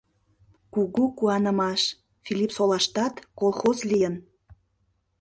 Кугу куанымаш — Филиппсолаштат колхоз лийын.